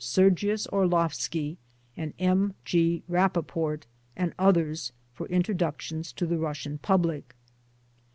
Sergius Orlovski and M. G. Rapoport and others for introductions to the Russian public.